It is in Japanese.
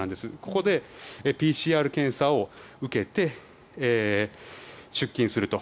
ここでＰＣＲ検査を受けて出勤すると。